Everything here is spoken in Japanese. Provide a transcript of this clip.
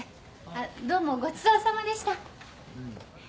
あっどうもごちそうさまでした。